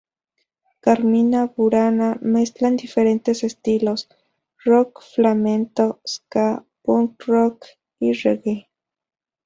Carmina Burana mezclan diferentes estilos: Rock, flamenco, ska, punk rock, reggae.